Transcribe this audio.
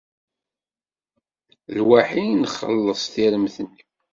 Lwaḥi i nxelleṣ tiremt-nni.